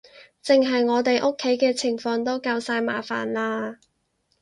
淨係我哋屋企嘅情況都夠晒麻煩喇